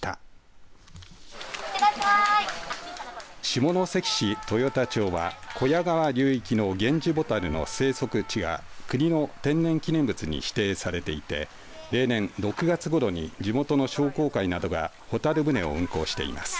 下関市豊田町は木屋川流域のゲンジボタルの生息地が国の天然記念物に指定されていて例年６月ごろに地元の商工会などがホタル舟を運航しています。